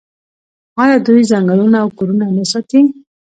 آیا دوی ځنګلونه او کورونه نه ساتي؟